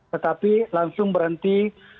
tetapi langsung berhenti